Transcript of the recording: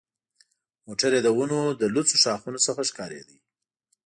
موټر یې د ونو له لوڅو ښاخونو څخه ښکارېده.